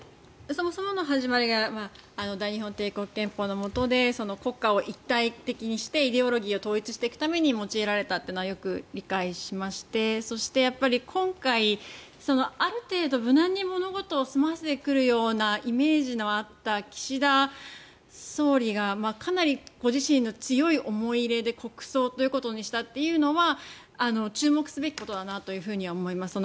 そもそもの始まりは大日本帝国憲法のもとで国家を一体的にしてイデオロギーを統一するために用いられたというのはよく理解しましてそして今回、ある程度無難に物事を済ませてくるようなイメージのあった岸田総理がかなりご自身の強い思い入れで国葬ということにしたというのは注目すべきことだなと思います。